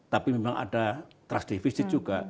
tapi memang ada trust defisit juga